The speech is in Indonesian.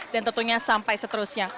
dan tentunya sampai seterusnya